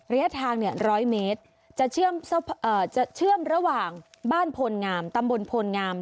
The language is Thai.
ระยะทาง๑๐๐เมตรจะเชื่อมระหว่างบ้านโพลงามตำบลโพลงาม